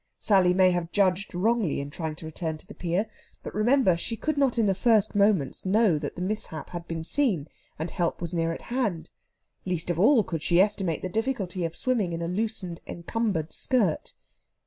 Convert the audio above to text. Sally may have judged wrongly in trying to return to the pier, but remember she could not in the first moments know that the mishap had been seen, and help was near at hand. Least of all could she estimate the difficulty of swimming in a loosened encumbered skirt.